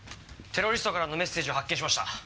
テロリストからのメッセージを発見しました。